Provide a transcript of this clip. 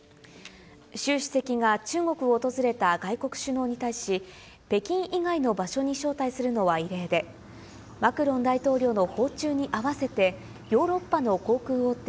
習主席が中国を訪れた外国首脳に対し、北京以外の場所に招待するのは異例で、マクロン大統領の訪中に合わせて、ヨーロッパの航空大手、